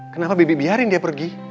kenapa bibi biarin dia pergi